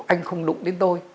anh không đụng đến tôi